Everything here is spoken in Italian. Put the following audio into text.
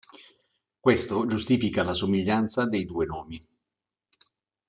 Questo giustifica la somiglianza dei due nomi.